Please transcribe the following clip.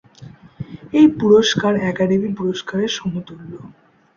এই পুরস্কার একাডেমি পুরস্কারের সমতুল্য।